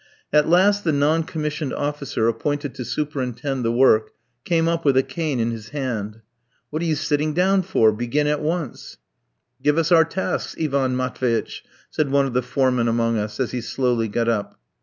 At last the non commissioned officer appointed to superintend the work came up with a cane in his hand. "What are you sitting down for? Begin at once." "Give us our tasks, Ivan Matveitch," said one of the "foremen" among us, as he slowly got up.